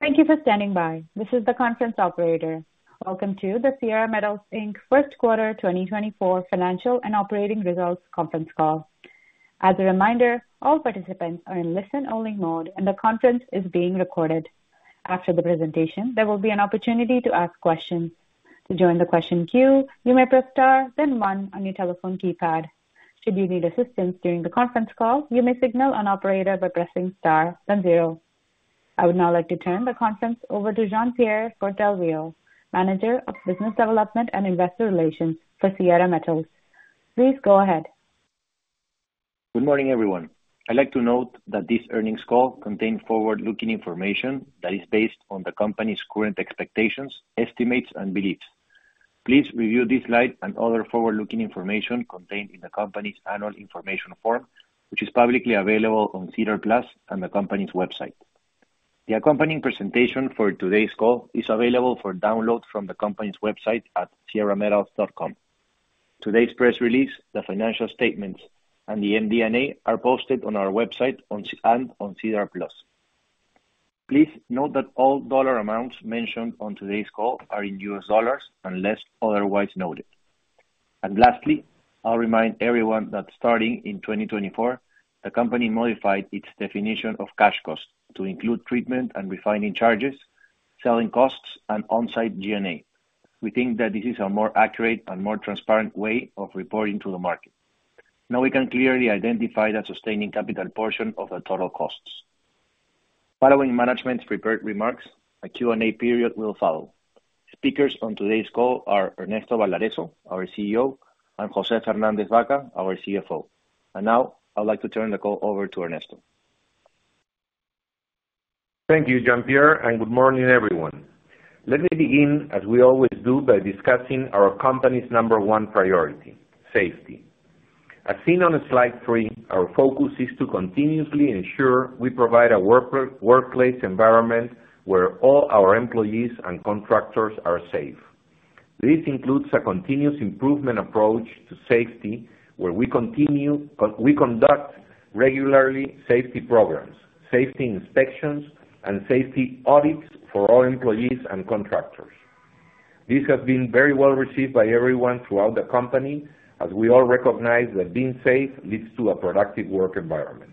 Thank you for standing by. This is the conference operator. Welcome to the Sierra Metals Incorporation First Quarter 2024 Financial and Operating Results Conference Call. As a reminder, all participants are in listen-only mode and the conference is being recorded. After the presentation, there will be an opportunity to ask questions. To join the question queue, you may press star, then 1 on your telephone keypad. Should you need assistance during the conference call, you may signal an operator by pressing star, then zero. I would now like to turn the conference over to Jean-Pierre Fort, manager of business development and investor relations for Sierra Metals. Please go ahead. Good morning, everyone. I'd like to note that this earnings call contains forward-looking information that is based on the company's current expectations, estimates, and beliefs. Please review this slide and other forward-looking information contained in the company's annual information form, which is publicly available on SEDAR+ and the company's website. The accompanying presentation for today's call is available for download from the company's website at sierrametals.com. Today's press release, the financial statements, and the MD&A are posted on our website and on SEDAR+. Please note that all dollar amounts mentioned on today's call are in US dollars unless otherwise noted. And lastly, I'll remind everyone that starting in 2024, the company modified its definition of cash cost to include treatment and refining charges, selling costs, and on-site G&A. We think that this is a more accurate and more transparent way of reporting to the market. Now we can clearly identify the sustaining capital portion of the total costs. Following management's prepared remarks, a Q&A period will follow. Speakers on today's call are Ernesto Balarezo, our CEO, and José Fernández-Baca, our CFO. Now I'd like to turn the call over to Ernesto. Thank you, Jean-Pierre, and good morning, everyone. Let me begin, as we always do, by discussing our company's number one priority: safety. As seen on slide 3, our focus is to continuously ensure we provide a workplace environment where all our employees and contractors are safe. This includes a continuous improvement approach to safety where we conduct regularly safety programs, safety inspections, and safety audits for all employees and contractors. This has been very well received by everyone throughout the company as we all recognize that being safe leads to a productive work environment.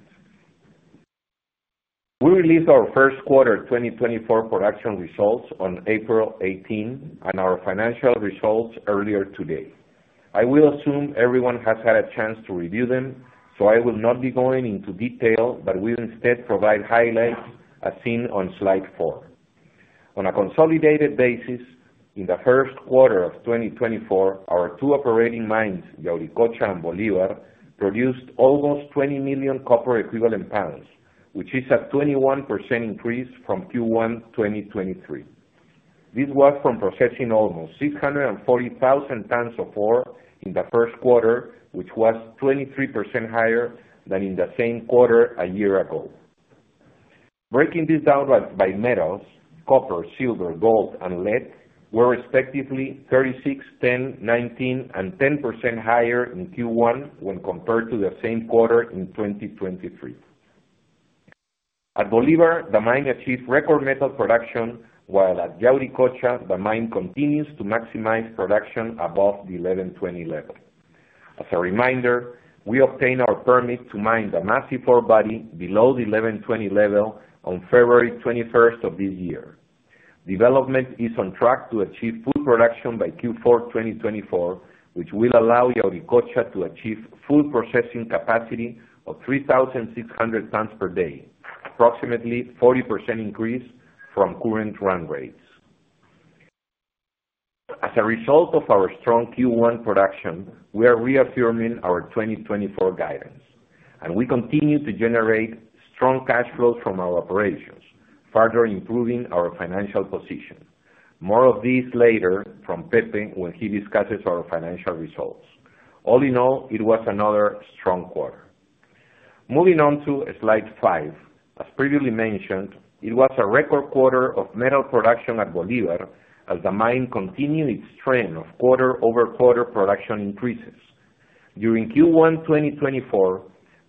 We released our first quarter 2024 production results on April 18 and our financial results earlier today. I will assume everyone has had a chance to review them, so I will not be going into detail, but will instead provide highlights as seen on slide 4. On a consolidated basis, in the first quarter of 2024, our two operating mines, Yauricocha and Bolívar, produced almost 20 million copper equivalent pounds, which is a 21% increase from Q1 2023. This was from processing almost 640,000 tons of ore in the first quarter, which was 23% higher than in the same quarter a year ago. Breaking this down by metals, copper, silver, gold, and lead were respectively 36%, 10%, 19%, and 10% higher in Q1 when compared to the same quarter in 2023. At Bolívar, the mine achieved record metal production, while at Yauricocha, the mine continues to maximize production above the 1120 level. As a reminder, we obtained our permit to mine the massive ore body below the 1120 level on February 21st of this year. Development is on track to achieve full production by Q4 2024, which will allow Yauricocha to achieve full processing capacity of 3,600 tons per day, approximately 40% increase from current run rates. As a result of our strong Q1 production, we are reaffirming our 2024 guidance, and we continue to generate strong cash flows from our operations, further improving our financial position. More of this later from Pepe when he discusses our financial results. All in all, it was another strong quarter. Moving on to Slide 5. As previously mentioned, it was a record quarter of metal production at Bolívar as the mine continued its trend of quarter-over-quarter production increases. During Q1 2024,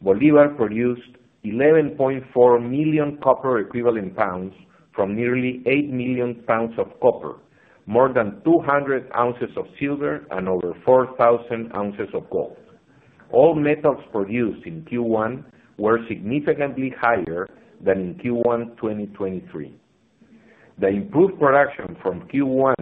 Bolívar produced 11.4 million copper equivalent pounds from nearly 8 million pounds of copper, more than 200 ounces of silver, and over 4,000 ounces of gold. All metals produced in Q1 were significantly higher than in Q1 2023. The improved production from Q1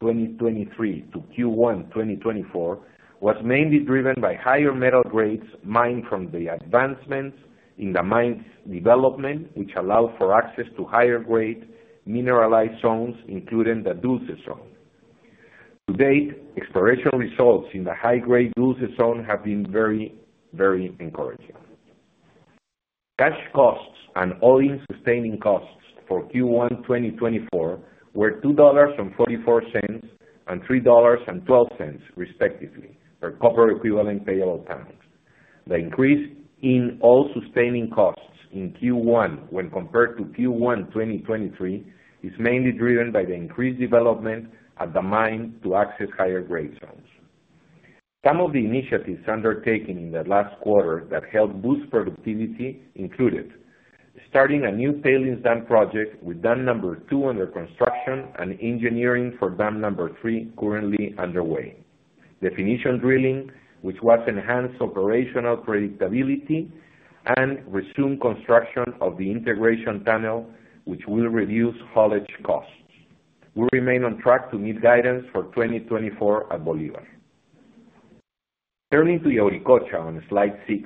2023 to Q1 2024 was mainly driven by higher metal grades mined from the advancements in the mine's development, which allowed for access to higher-grade mineralized zones, including the Dulce Zone. To date, exploration results in the high-grade Dulce Zone have been very, very encouraging cash costs and all-in sustaining costs for Q1 2024 were $2.44 and $3.12, respectively, per copper equivalent payable pounds. The increase in all-in sustaining costs in Q1 when compared to Q1 2023 is mainly driven by the increased development at the mine to access higher-grade zones. Some of the initiatives undertaken in the last quarter that helped boost productivity included starting a new tailings dam project with dam number two under construction and engineering for dam number three currently underway, definition drilling, which was enhanced operational predictability, and resume construction of the integration tunnel, which will reduce haulage costs. We remain on track to meet guidance for 2024 at Bolívar. Turning to Yauricocha on slide 6,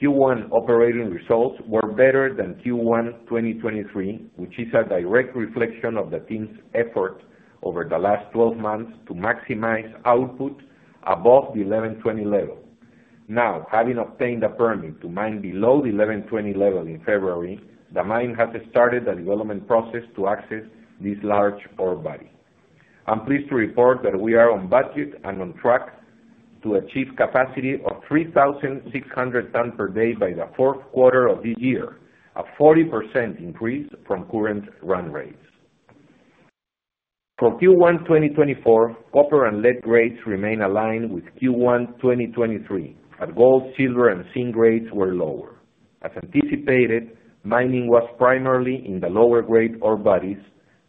Q1 operating results were better than Q1 2023, which is a direct reflection of the team's effort over the last 12 months to maximize output above the 1120 level. Now, having obtained a permit to mine below the 1120 level in February, the mine has started the development process to access this large ore body. I'm pleased to report that we are on budget and on track to achieve capacity of 3,600 tons per day by the fourth quarter of this year, a 40% increase from current run rates. For Q1 2024, copper and lead grades remain aligned with Q1 2023, but gold, silver, and zinc grades were lower. As anticipated, mining was primarily in the lower-grade ore bodies.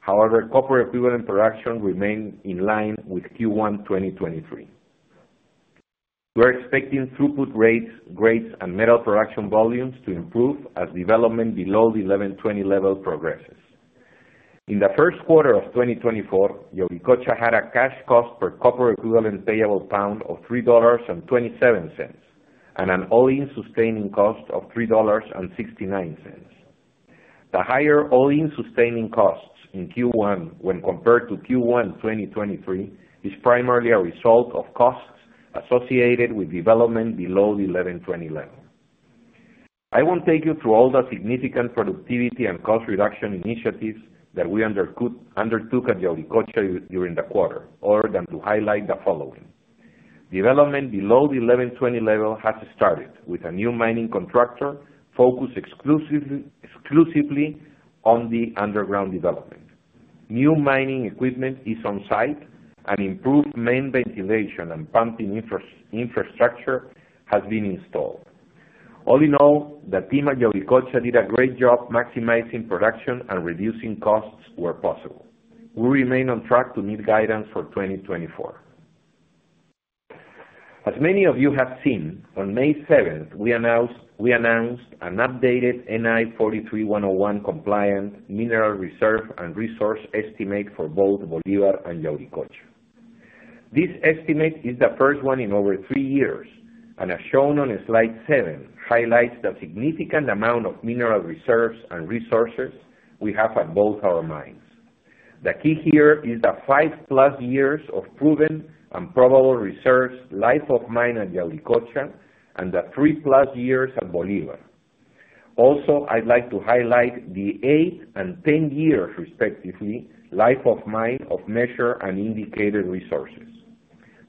However, copper equivalent production remained in line with Q1 2023. We are expecting throughput rates, grades, and metal production volumes to improve as development below the 1120 level progresses. In the first quarter of 2024, Yauricocha had a cash cost per copper equivalent payable pound of $3.27 and an all-in sustaining cost of $3.69. The higher all-in sustaining costs in Q1 when compared to Q1 2023 is primarily a result of costs associated with development below the 1120 level. I won't take you through all the significant productivity and cost reduction initiatives that we undertook at Yauricocha during the quarter other than to highlight the following. Development below the 1120 Level has started with a new mining contractor focused exclusively on the underground development. New mining equipment is on site, and improved main ventilation and pumping infrastructure has been installed. All in all, the team at Yauricocha did a great job maximizing production and reducing costs where possible. We remain on track to meet guidance for 2024. As many of you have seen, on May 7th, we announced an updated NI 43-101 compliant mineral reserve and resource estimate for both Bolívar and Yauricocha. This estimate is the first one in over three years, and as shown on slide seven highlights the significant amount of mineral reserves and resources we have at both our mines. The key here is the 5+ years of proven and probable reserves life of mine at Yauricocha and the 3+ years at Bolívar. Also, I'd like to highlight the 8 and 10 years, respectively, life of mine of measured and indicated resources.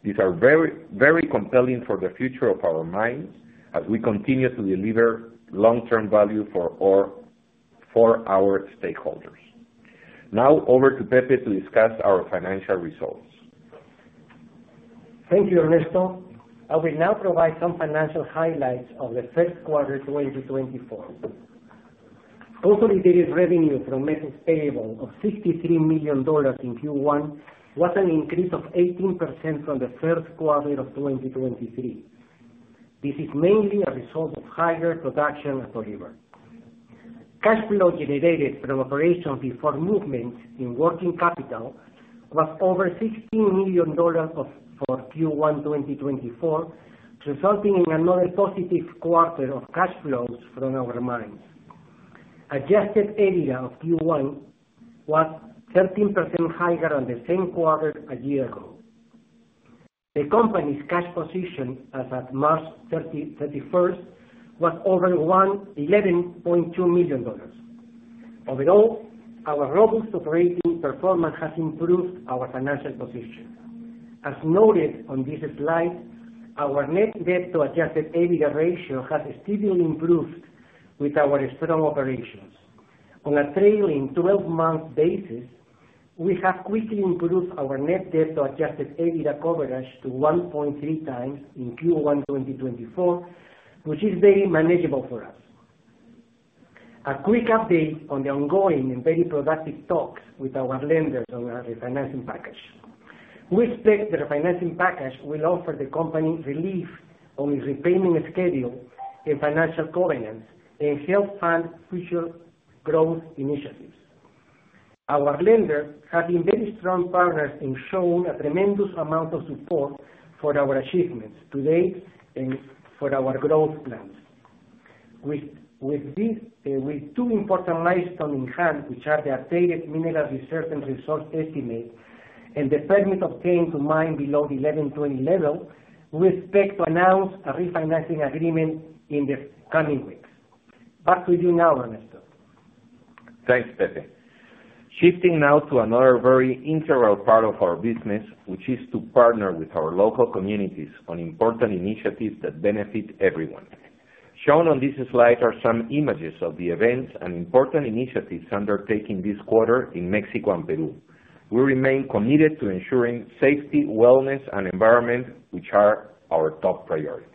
These are very, very compelling for the future of our mines as we continue to deliver long-term value for our stakeholders. Now over to Pepe to discuss our financial results. Thank you, Ernesto. I will now provide some financial highlights of the first quarter 2024. Consolidated revenue from metals payable of $63 million in Q1 was an increase of 18% from the first quarter of 2023. This is mainly a result of higher production at Bolívar. Cash flow generated from operations before movement in working capital was over $16 million for Q1 2024, resulting in another positive quarter of cash flows from our mines. Adjusted EBITDA of Q1 was 13% higher than the same quarter a year ago. The company's cash position as of March 31st was over $11.2 million. Overall, our robust operating performance has improved our financial position. As noted on this slide, our net debt to adjusted EBITDA ratio has steadily improved with our strong operations. On a trailing 12-month basis, we have quickly improved our net debt to Adjusted EBITDA coverage to 1.3 times in Q1 2024, which is very manageable for us. A quick update on the ongoing and very productive talks with our lenders on our refinancing package. We expect the refinancing package will offer the company relief on its repayment schedule and financial covenants and help fund future growth initiatives. Our lenders have been very strong partners and shown a tremendous amount of support for our achievements to date and for our growth plans. With two important milestones in hand, which are the updated mineral reserve and resource estimate and the permit obtained to mine below the 1120 Level, we expect to announce a refinancing agreement in the coming weeks. Back to you now, Ernesto. Thanks, Pepe. Shifting now to another very integral part of our business, which is to partner with our local communities on important initiatives that benefit everyone. Shown on this slide are some images of the events and important initiatives undertaken this quarter in Mexico and Peru. We remain committed to ensuring safety, wellness, and environment, which are our top priorities.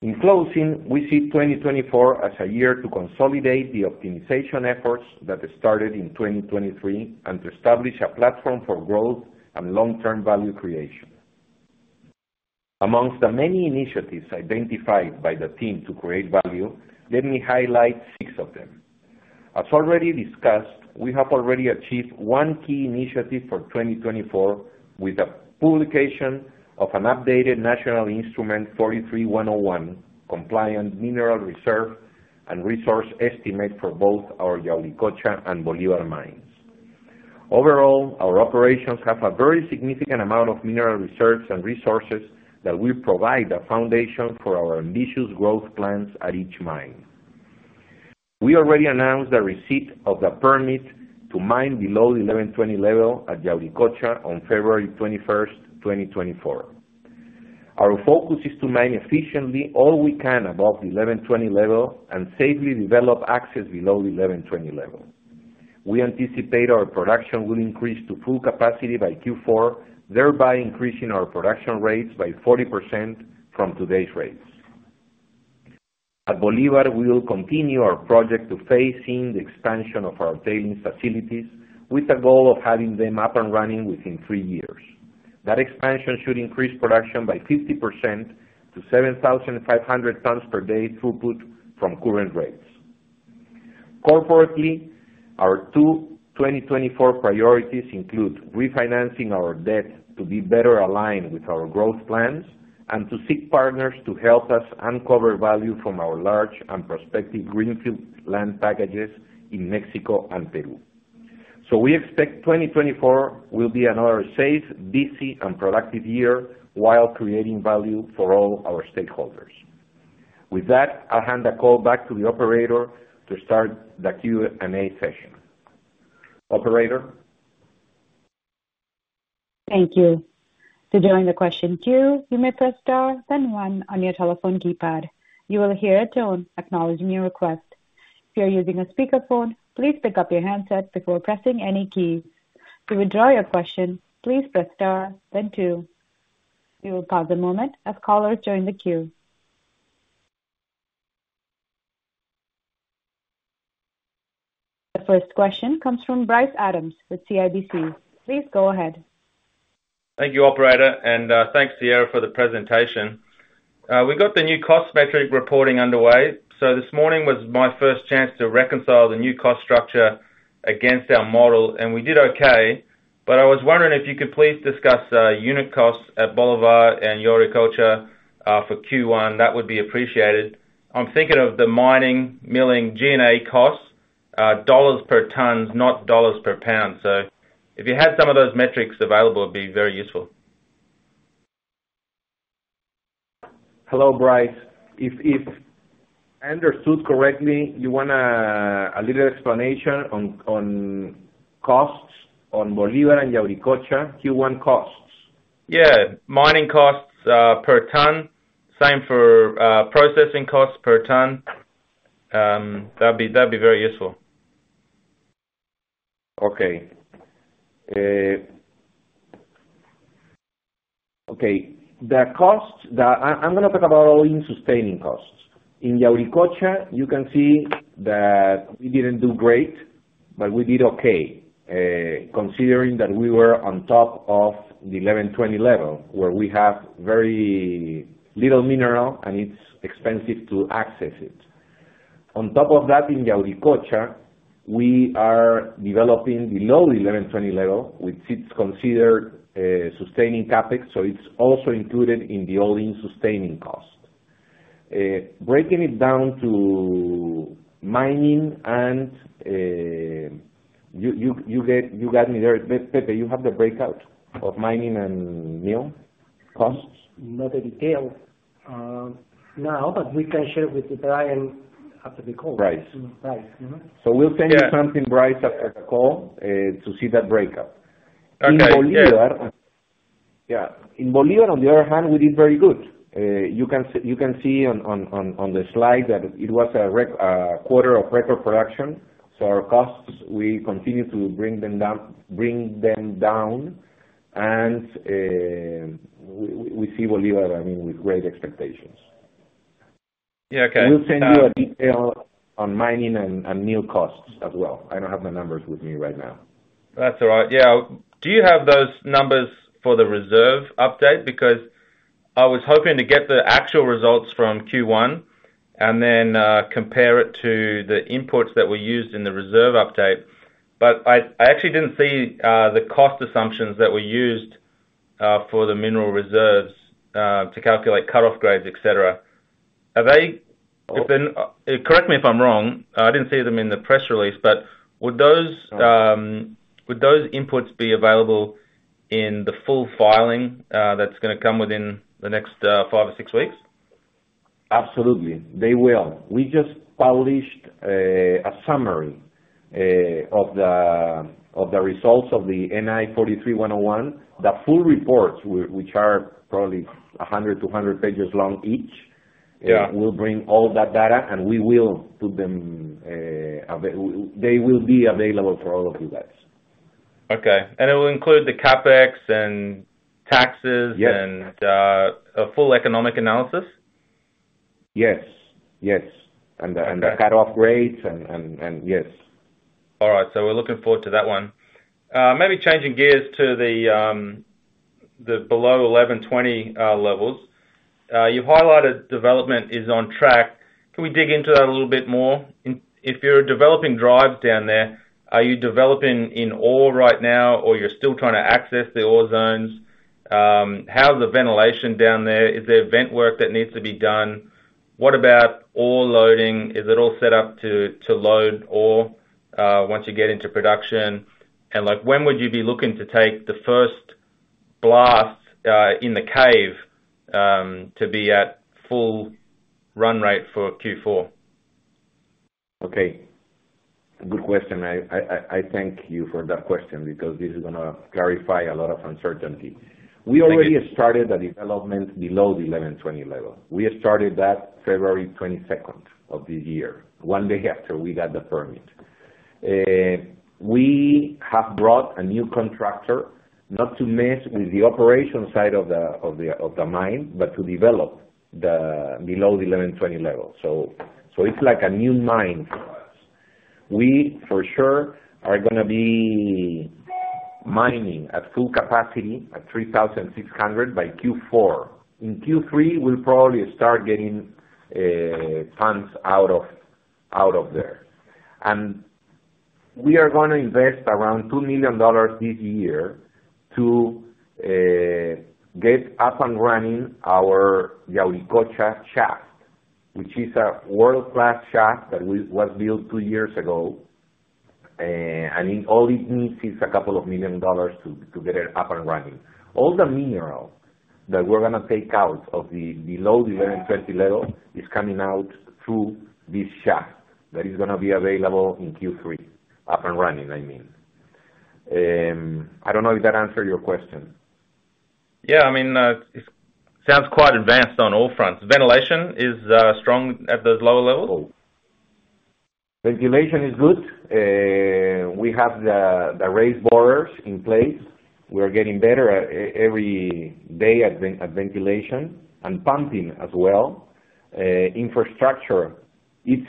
In closing, we see 2024 as a year to consolidate the optimization efforts that started in 2023 and to establish a platform for growth and long-term value creation. Amongst the many initiatives identified by the team to create value, let me highlight six of them. As already discussed, we have already achieved one key initiative for 2024 with the publication of an updated NI 43-101 compliant mineral reserve and resource estimate for both our Yauricocha and Bolívar mines. Overall, our operations have a very significant amount of mineral reserves and resources that will provide a foundation for our ambitious growth plans at each mine. We already announced the receipt of the permit to mine below the 1120 level at Yauricocha on February 21st, 2024. Our focus is to mine efficiently all we can above the 1120 level and safely develop access below the 1120 level. We anticipate our production will increase to full capacity by Q4, thereby increasing our production rates by 40% from today's rates. At Bolívar, we will continue our project of phasing the expansion of our tailings facilities with the goal of having them up and running within three years. That expansion should increase production by 50% to 7,500 tons per day throughput from current rates. Corporately, our two 2024 priorities include refinancing our debt to be better aligned with our growth plans and to seek partners to help us uncover value from our large and prospective greenfield land packages in Mexico and Peru. We expect 2024 will be another safe, busy, and productive year while creating value for all our stakeholders. With that, I'll hand the call back to the operator to start the Q&A session. Operator? Thank you. To join the question queue, you may press star, then one on your telephone keypad. You will hear a tone acknowledging your request. If you're using a speakerphone, please pick up your handset before pressing any key. To withdraw your question, please press star, then two. We will pause a moment as callers join the queue. The first question comes from Bryce Adams with CIBC. Please go ahead. Thank you, operator, and thanks, Sierra, for the presentation. We got the new cost metric reporting underway, so this morning was my first chance to reconcile the new cost structure against our model, and we did okay. But I was wondering if you could please discuss unit costs at Bolívar and Yauricocha for Q1. That would be appreciated. I'm thinking of the mining, milling, G&A costs dollars per tons, not dollars per pound. So if you had some of those metrics available, it'd be very useful. Hello, Bryce. If I understood correctly, you want a little explanation on costs on Bolívar and Yauricocha, Q1 costs? Yeah. Mining costs per ton. Same for processing costs per ton. That'd be very useful. Okay. Okay. The costs, I'm going to talk about all-in sustaining costs. In Yauricocha, you can see that we didn't do great, but we did okay considering that we were on top of the 1120 Level, where we have very little mineral and it's expensive to access it. On top of that, in Yauricocha, we are developing below the 1120 Level, which is considered sustaining CapEx, so it's also included in the All-in Sustaining Cost. Breaking it down to mining and you got me there. Pepe, you have the breakout of mining and mill costs? Not in detail now, but we can share it with Brian after the call. Bryce. Bryce. We'll send you something, Bryce, after the call to see that breakout. In Bolívar. Okay. Yeah. In Bolívar, on the other hand, we did very good. You can see on the slide that it was a quarter of record production, so our costs, we continue to bring them down, and we see Bolívar, I mean, with great expectations. Yeah. Okay. We'll send you a detail on mining and mill costs as well. I don't have the numbers with me right now. That's all right. Yeah. Do you have those numbers for the reserve update? Because I was hoping to get the actual results from Q1 and then compare it to the inputs that were used in the reserve update, but I actually didn't see the cost assumptions that were used for the mineral reserves to calculate cutoff grades, etc. Okay. Correct me if I'm wrong. I didn't see them in the press release, but would those inputs be available in the full filing that's going to come within the next 5 or 6 weeks? Absolutely. They will. We just published a summary of the results of the NI 43-101. The full reports, which are probably 100-100 pages long each, will bring all that data, and we will put them they will be available for all of you guys. Okay. And it will include the CapEx and taxes and a full economic analysis? Yes. Yes. And the cutoff grades and yes. All right. So we're looking forward to that one. Maybe changing gears to the below 1120 Level. You highlighted development is on track. Can we dig into that a little bit more? If you're developing drives down there, are you developing in ore right now, or you're still trying to access the ore zones? How's the ventilation down there? Is there vent work that needs to be done? What about ore loading? Is it all set up to load ore once you get into production? And when would you be looking to take the first blast in the cave to be at full run rate for Q4? Okay. Good question. I thank you for that question because this is going to clarify a lot of uncertainty. We already started the development below the 1120 Level. We started that February 22nd of this year, one day after we got the permit. We have brought a new contractor not to mess with the operation side of the mine, but to develop below the 1120 Level. So it's like a new mine for us. We, for sure, are going to be mining at full capacity at 3,600 by Q4. In Q3, we'll probably start getting funds out of there. And we are going to invest around $2 million this year to get up and running our Yauricocha shaft, which is a world-class shaft that was built two years ago. And all it needs is a couple of million dollars to get it up and running. All the mineral that we're going to take out of the below the 1120 Level is coming out through this shaft that is going to be available in Q3, up and running, I mean. I don't know if that answered your question. Yeah. I mean, it sounds quite advanced on all fronts. Ventilation is strong at those lower levels? Ventilation is good. We have the raise borers in place. We are getting better every day at ventilation and pumping as well. Infrastructure, it's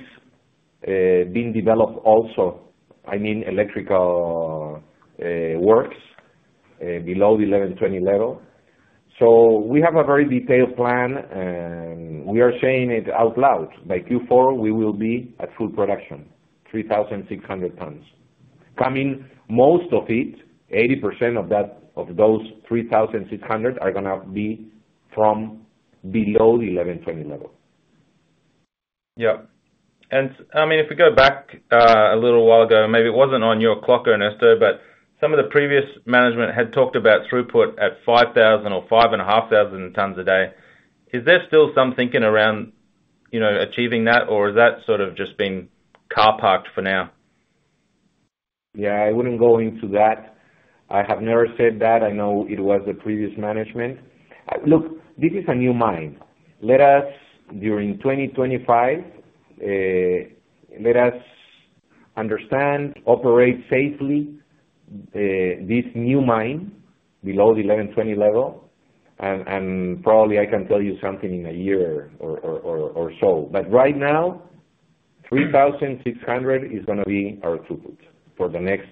been developed also. I mean, electrical works below the 1120 level. So we have a very detailed plan, and we are saying it out loud. By Q4, we will be at full production, 3,600 tons. Most of it, 80% of those 3,600, are going to be from below the 1120 level. Yep. And I mean, if we go back a little while ago - maybe it wasn't on your clock, Ernesto - but some of the previous management had talked about throughput at 5,000 or 5,500 tons a day. Is there still some thinking around achieving that, or has that sort of just been car-parked for now? Yeah. I wouldn't go into that. I have never said that. I know it was the previous management. Look, this is a new mine. During 2025, let us understand, operate safely this new mine below the 1120 level, and probably I can tell you something in a year or so. But right now, 3,600 is going to be our throughput for the next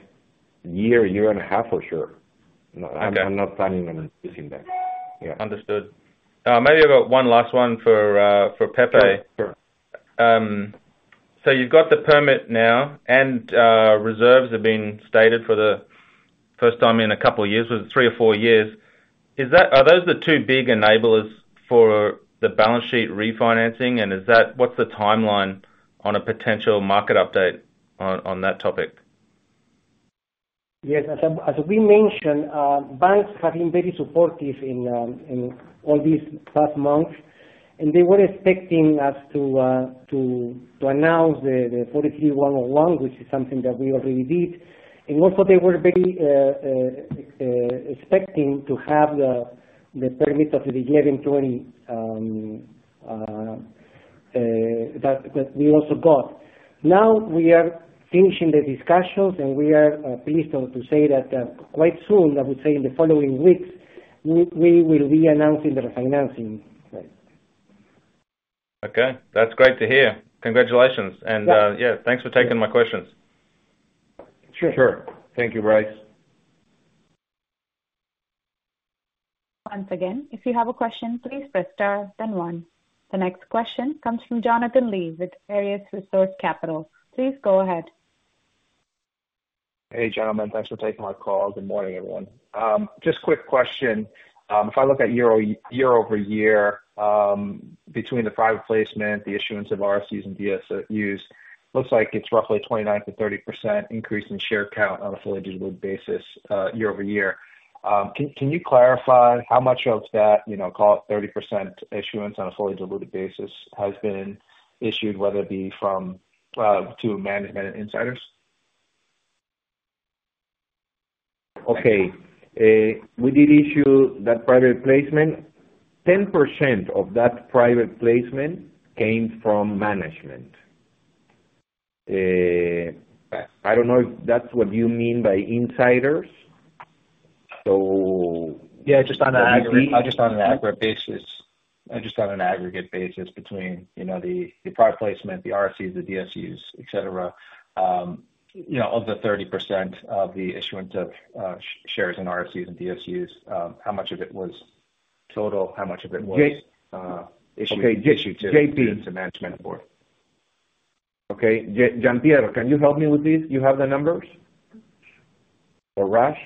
year, year and a half, for sure. I'm not planning on reducing that. Yeah. Understood. Maybe I've got one last one for Pepe. Sure. Sure. So you've got the permit now, and reserves have been stated for the first time in a couple of years, was it three or four years? Are those the two big enablers for the balance sheet refinancing, and what's the timeline on a potential market update on that topic? Yes. As we mentioned, banks have been very supportive in all these past months, and they were expecting us to announce the 43-101, which is something that we already did. And also, they were very expecting to have the permit of the 1120 that we also got. Now, we are finishing the discussions, and we are pleased to say that quite soon, I would say in the following weeks, we will be announcing the refinancing. Okay. That's great to hear. Congratulations. Yeah, thanks for taking my questions. Sure. Sure. Thank you, Bryce. Once again, if you have a question, please press star, then one. The next question comes from Jonathan Lee with Arias Resource Capital. Please go ahead. Hey, gentlemen. Thanks for taking my call. Good morning, everyone. Just quick question. If I look at year-over-year, between the private placement, the issuance of RSUs and DSUs, it looks like it's roughly 29%-30% increase in share count on a fully diluted basis year-over-year. Can you clarify how much of that, call it 30% issuance on a fully diluted basis, has been issued, whether it be to management and insiders? Okay. We did issue that private placement. 10% of that private placement came from management. I don't know if that's what you mean by insiders, so. Yeah. Just on an aggregate basis. I just thought an aggregate basis between the private placement, the RSUs, the DSUs, etc., of the 30% of the issuance of shares in RSUs and DSUs, how much of it was total, how much of it was issued to management board? Okay. Jean-Pierre, can you help me with this? You have the numbers? Or Rush?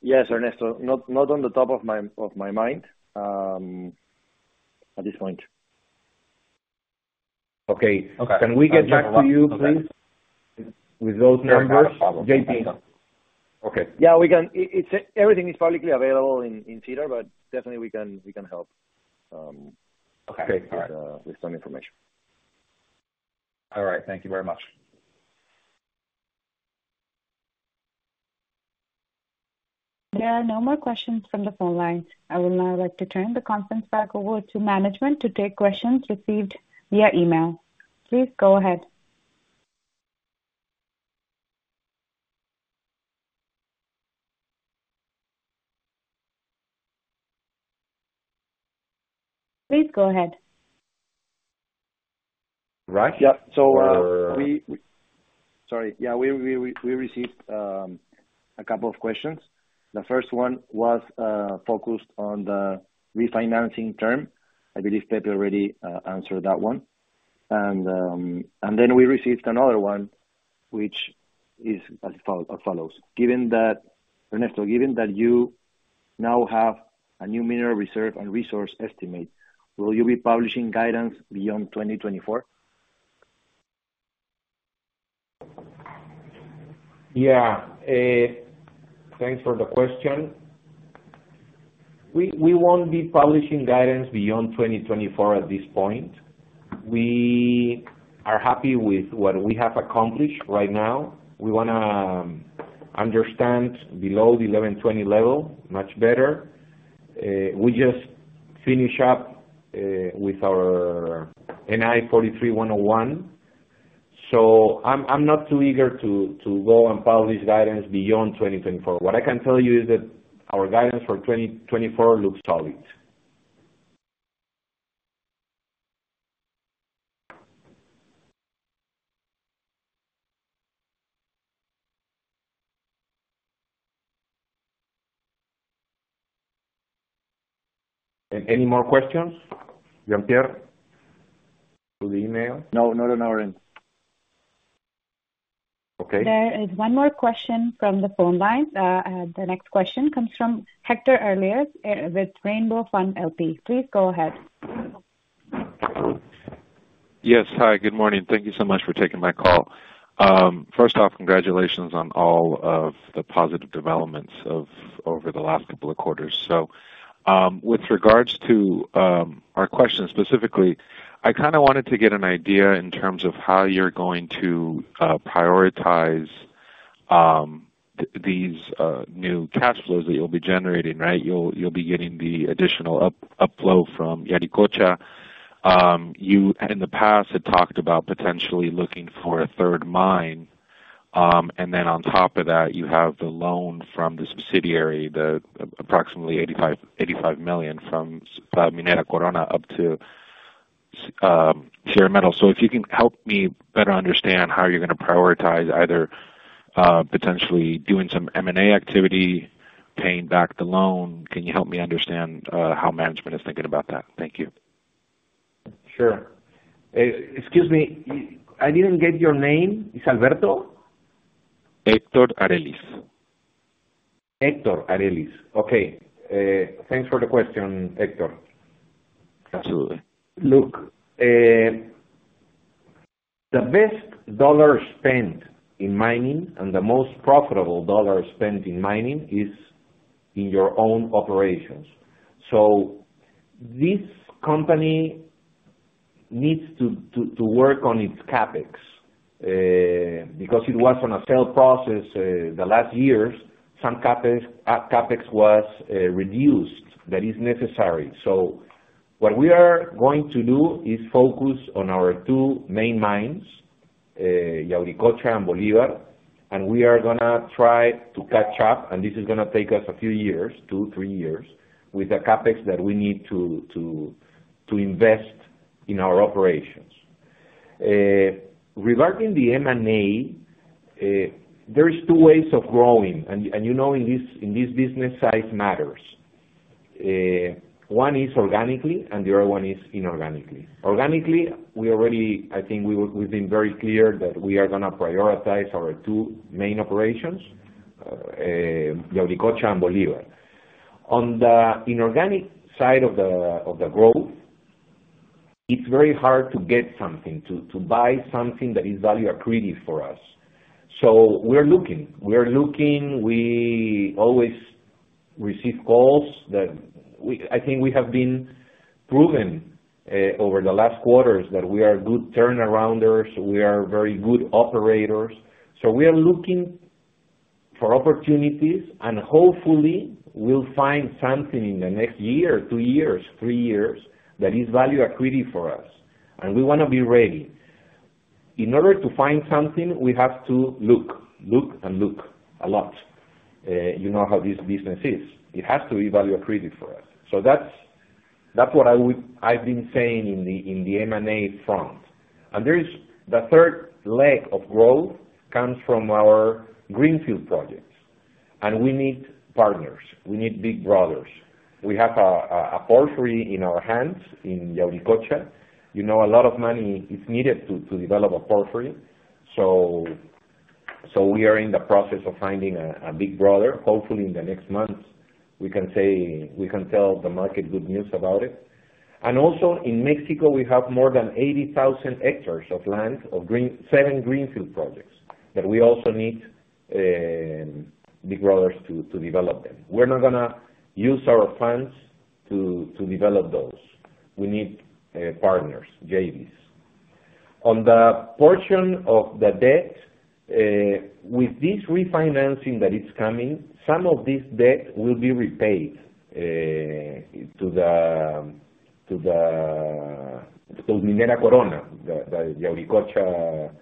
Yes, Ernesto. Not on the top of my mind at this point. Okay. Can we get back to you, please, with those numbers? Yeah. No problem. JP. Okay. Yeah. Everything is publicly available in Sierra, but definitely, we can help with some information. All right. Thank you very much. There are no more questions from the phone line. I would now like to turn the conference back over to management to take questions received via email. Please go ahead. Please go ahead. Rush? Yep. Or. So we. Sorry. Yeah. We received a couple of questions. The first one was focused on the refinancing term. I believe Pepe already answered that one. And then we received another one, which is as follows. Ernesto, given that you now have a new mineral reserve and resource estimate, will you be publishing guidance beyond 2024? Yeah. Thanks for the question. We won't be publishing guidance beyond 2024 at this point. We are happy with what we have accomplished right now. We want to understand below the 1,120 Level much better. We just finish up with our NI 43-101, so I'm not too eager to go and publish guidance beyond 2024. What I can tell you is that our guidance for 2024 looks solid. Any more questions, Jean-Pierre, to the email? No. No, no, no, Ernesto. Okay. There is one more question from the phone line. The next question comes from Hector Areliz with Rainbow Fund LP. Please go ahead. Yes. Hi. Good morning. Thank you so much for taking my call. First off, congratulations on all of the positive developments over the last couple of quarters. So with regards to our question specifically, I kind of wanted to get an idea in terms of how you're going to prioritize these new cash flows that you'll be generating, right? You'll be getting the additional upflow from Yauricocha. You, in the past, had talked about potentially looking for a third mine. And then on top of that, you have the loan from the subsidiary, approximately $85 million from Minera Corona up to Sierra Metals. So if you can help me better understand how you're going to prioritize either potentially doing some M&A activity, paying back the loan, can you help me understand how management is thinking about that? Thank you. Sure. Excuse me. I didn't get your name. Is Alberto? Héctor Areliz. Okay. Thanks for the question, Hector. Absolutely. Look, the best dollar spent in mining and the most profitable dollar spent in mining is in your own operations. So this company needs to work on its CapEx because it was on a sale process the last years. Some CapEx was reduced that is necessary. So what we are going to do is focus on our two main mines, Yauricocha and Bolívar, and we are going to try to catch up. And this is going to take us a few years, two, three years, with the CapEx that we need to invest in our operations. Regarding the M&A, there is two ways of growing, and in this business, size matters. One is organically, and the other one is inorganically. Organically, I think we've been very clear that we are going to prioritize our two main operations, Yauricocha and Bolívar. On the inorganic side of the growth, it's very hard to get something, to buy something that is value accretive for us. So we're looking. We're looking. We always receive calls that I think we have been proven over the last quarters that we are good turnarounders. We are very good operators. So we are looking for opportunities, and hopefully, we'll find something in the next year, two years, three years that is value accretive for us. And we want to be ready. In order to find something, we have to look, look, and look a lot. You know how this business is. It has to be value accretive for us. So that's what I've been saying in the M&A front. And the third leg of growth comes from our greenfield projects, and we need partners. We need big brothers. We have a porphyry in our hands in Yauricocha. A lot of money is needed to develop a porphyry. So we are in the process of finding a big brother. Hopefully, in the next months, we can tell the market good news about it. And also, in Mexico, we have more than 80,000 hectares of land, of seven greenfield projects that we also need big brothers to develop them. We're not going to use our funds to develop those. We need partners, JVs. On the portion of the debt, with this refinancing that is coming, some of this debt will be repaid to Minera Corona, the Yauricocha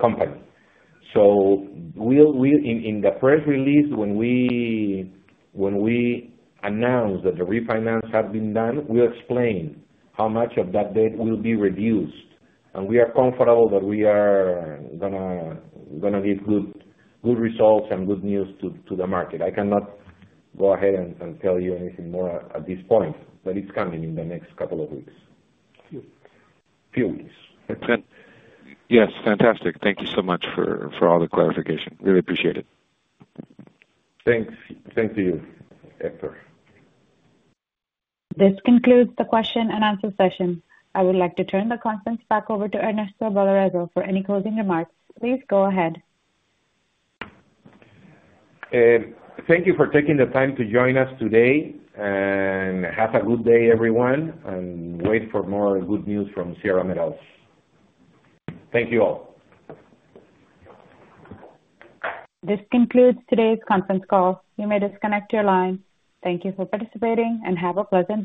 company. So in the press release, when we announce that the refinance has been done, we'll explain how much of that debt will be reduced. And we are comfortable that we are going to give good results and good news to the market. I cannot go ahead and tell you anything more at this point, but it's coming in the next couple of weeks. Few weeks. Yes. Fantastic. Thank you so much for all the clarification. Really appreciate it. Thanks. Same to you, Héctor. This concludes the question and answer session. I would like to turn the conference back over to Ernesto Balarezo. For any closing remarks, please go ahead. Thank you for taking the time to join us today. Have a good day, everyone, and wait for more good news from Sierra Metals. Thank you all. This concludes today's conference call. You may disconnect your line. Thank you for participating, and have a pleasant day.